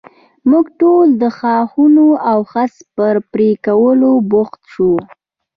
موږ ټول د ښاخونو او خس پر پرې کولو بوخت شو.